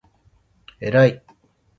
えらい